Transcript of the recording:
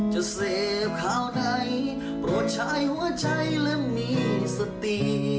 จะเสพคราวไหนโปรดใช้หัวใจและมีสติ